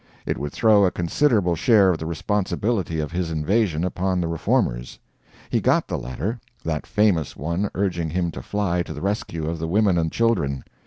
It would throw a considerable share of the responsibility of his invasion upon the Reformers. He got the letter that famous one urging him to fly to the rescue of the women and children.